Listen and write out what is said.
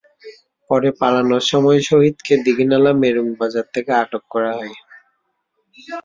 পরে পালানোর সময় শহীদকে দীঘিনালা মেরুং বাজার থেকে আটক করা হয়।